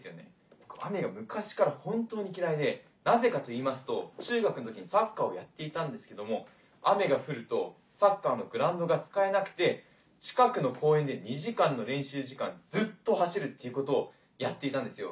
僕雨が昔から本当に嫌いでなぜかと言いますと中学の時にサッカーをやっていたんですけども雨が降るとサッカーのグラウンドが使えなくて近くの公園で２時間の練習時間ずっと走るっていうことをやっていたんですよ。